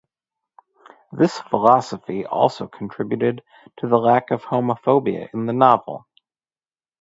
This philosophy also contributed to the lack of homophobia in the novel.